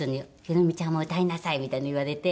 「裕美ちゃんも歌いなさい」みたいなの言われて。